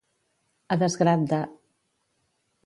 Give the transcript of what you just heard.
A desgrat de.